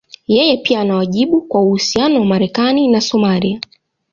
Yeye pia ana wajibu kwa uhusiano wa Marekani na Somalia.